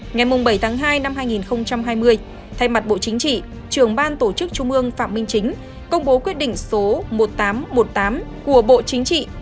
ngày bảy tháng hai năm hai nghìn hai mươi thay mặt bộ chính trị trưởng ban tổ chức trung ương phạm minh chính công bố quyết định số một nghìn tám trăm một mươi tám của bộ chính trị